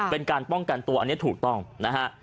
เป็นการป้องกันตัวอันนี้ถูกต้องนะฮะ